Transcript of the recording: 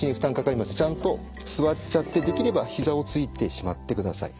ちゃんと座っちゃってできればひざをついてしまってください。